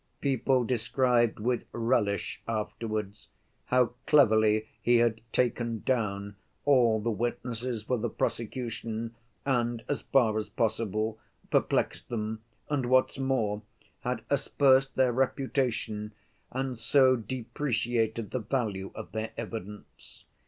People described with relish, afterwards, how cleverly he had "taken down" all the witnesses for the prosecution, and as far as possible perplexed them and, what's more, had aspersed their reputation and so depreciated the value of their evidence.